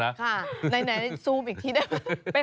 ค่ะไหนซูมอีกทีได้ไหม